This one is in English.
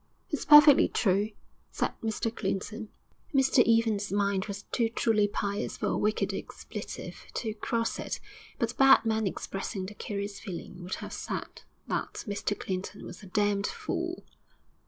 'It's perfectly true,' said Mr Clinton. Mr Evans's mind was too truly pious for a wicked expletive to cross it; but a bad man expressing the curate's feeling would have said that Mr Clinton was a damned fool.